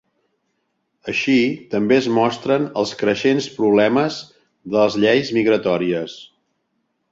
Així, també es mostren els creixents problemes de les lleis migratòries.